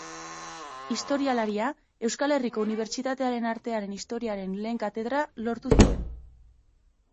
Historialaria, Euskal Herriko Unibertsitatearen Artearen Historiaren lehen katedra lortu zuen.